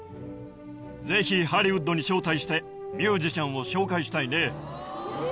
ぜひハリウッドに招待してミュージシャンを紹介したいね。